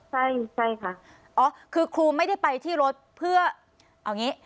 ใช่ใช่ค่ะอ๋อคือครูไม่ได้ไปที่รถเพื่อเอางี้